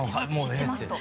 「知ってます」と。